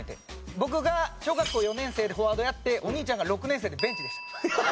僕が小学校４年生でフォワードやってお兄ちゃんが６年生でベンチでした。